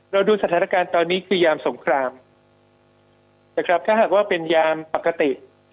ดูสถานการณ์ตอนนี้คือยามสงครามนะครับถ้าหากว่าเป็นยามปกติ